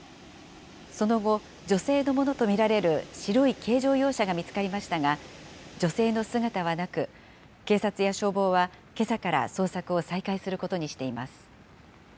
その後、女性のものと見られる白い軽乗用車が見つかりましたが、女性の姿はなく、警察や消防は、けさから捜索を再開することにしています。